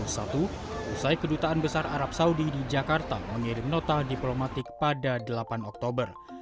usai kedutaan besar arab saudi di jakarta mengirim nota diplomatik pada delapan oktober